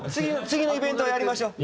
次のイベントはやりましょう。